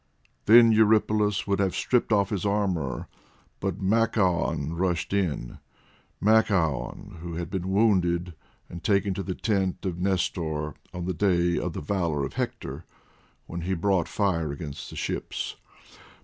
Then Eurypylus would have stripped off his armour, but Machaon rushed in, Machaon who had been wounded and taken to the tent of Nestor, on the day of the Valour of Hector, when he brought fire against the ships.